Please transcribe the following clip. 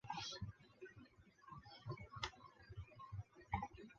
学校有学生会和丰富的学生社团。